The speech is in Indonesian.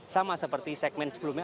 sama seperti segmen sebelumnya